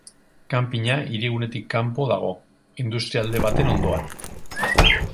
Kanpina hiri-gunetik kanpo dago, industrialde baten ondoan.